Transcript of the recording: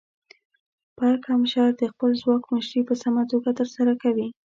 پرکمشر د خپل ځواک مشري په سمه توګه ترسره کوي.